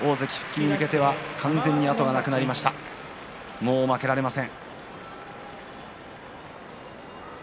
もう負けられません。